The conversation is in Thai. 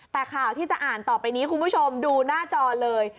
แต่ข่าวที่จะอ่านต่อไปนี้คุณผู้ชมดูหน้าจอเลย